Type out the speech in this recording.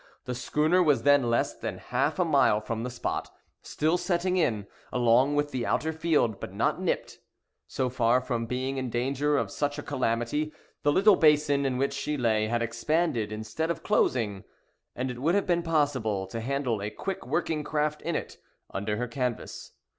The schooner was then less than half a mile from the spot, still setting in, along with the outer field, but not nipped. So far from being in danger of such a calamity, the little basin in which she lay had expanded, instead of closing; and it would have been possible to handle a quick working craft in it, under her canvas.